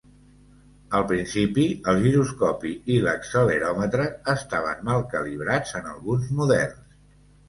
Al principi el giroscopi i l'acceleròmetre estaven mal calibrats en alguns models.